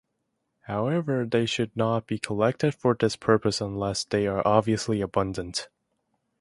However, they should not be collected for this purpose unless they are obviously abundant.